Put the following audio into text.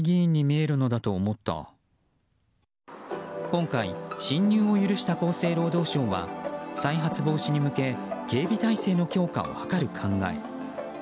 今回侵入を許した厚生労働省は再発防止に向け警備態勢の強化を図る考え。